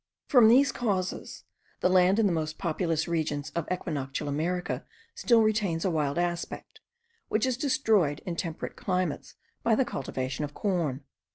From these causes, the land in the most populous regions of equinoctial America still retains a wild aspect, which is destroyed in temperate climates by the cultivation of corn.